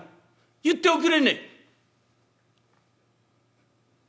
言っておくれね」。